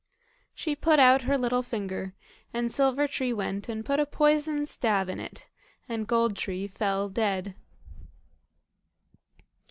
She put out her little finger, and Silver tree went and put a poisoned stab in it, and Gold tree fell dead.